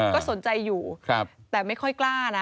ก็สนใจอยู่แต่ไม่ค่อยกล้านะ